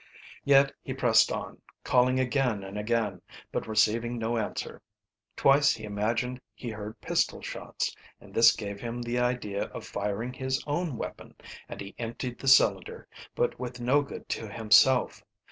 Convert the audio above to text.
Yet he pressed on, calling again and again, but receiving no answer. Twice he imagined he heard pistol shots, and this gave him the idea of firing his own weapon, and he emptied the cylinder, but with no good to himself.